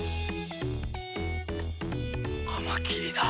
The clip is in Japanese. カマキリだ！